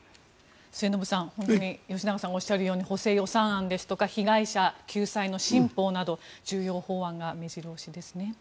末延さん吉永さんがおっしゃるように補正予算案ですとか被害者救済の新法など重要法案が目白押しですね。